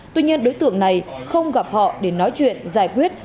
tuy nhiên đối tượng này không gặp họ để nói chuyện giải quyết